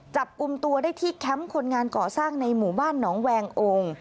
จับกลุ่มตัวได้ที่แคมป์คนงานก่อสร้างในหมู่บ้านหนองแวงองค์